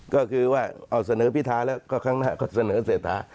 ก็คือเสนอพิทาแล้วก็ทั้งหน้าก็เสนอเสถา